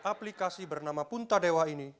aplikasi bernama punta dewa ini